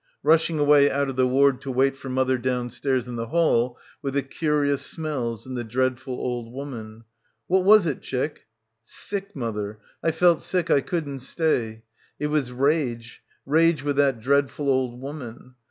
. rushing away out of the ward to wait for mother down stairs in the hall with the curious smells and the dreadful old woman. ... What was it, chick? ... Sick, mother, I felt sick, I couldn't stay. It was rage; rage with that dreadful old woman.